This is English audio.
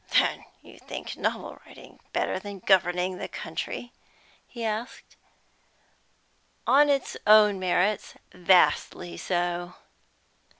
"Then you think novel writing better than governing the country?" he asked. "On its own merits, vastly so."